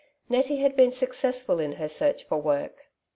Nettie had been successful in her search for work.